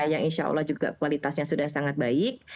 yang insya allah juga kualitasnya sudah sangat baik